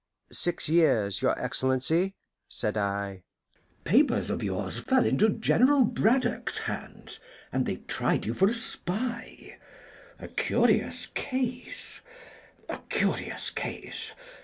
"Six years, your Excellency," said I. "Papers of yours fell into General Braddock's hands, and they tried you for a spy a curious case a curious case!